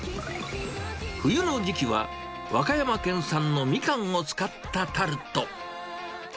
冬の時期は和歌山県産のミカンを使ったタルト。